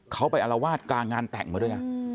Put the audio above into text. เขาไปอารวาสกลางงานแต่งมาด้วยนะ